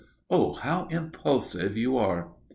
Oh, how impulsive you are!"